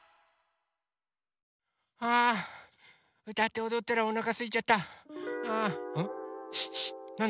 あうたっておどったらおなかすいちゃった。